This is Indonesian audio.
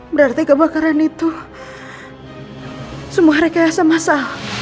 berarti kebakaran itu semua rekayasa masa